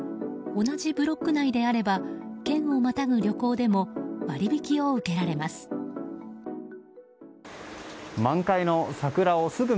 同じブロック内であれば県をまたぐ旅行でも割引を受けられます。